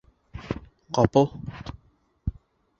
Ҡапыл: